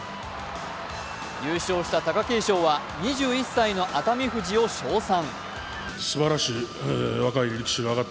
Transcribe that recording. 優勝した貴景勝は２１歳の熱海富士を称賛。